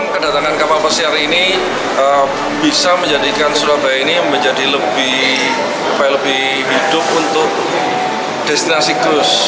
kedatangan kapal pesiar ini bisa menjadikan surabaya ini menjadi lebih hidup untuk destinasi gros